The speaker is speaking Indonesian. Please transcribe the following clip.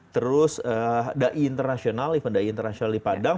terus event dai internasional di padang